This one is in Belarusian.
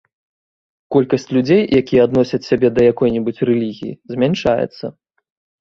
Колькасць людзей, якія адносяць сябе да якой-небудзь рэлігіі, змяншаецца.